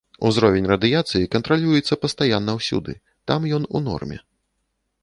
Узровень радыяцыі кантралюецца пастаянна ўсюды, там ён у норме.